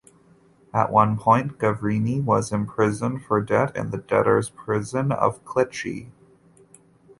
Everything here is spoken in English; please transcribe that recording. At one point Gavarni was imprisoned for debt in the debtors' prison of Clichy.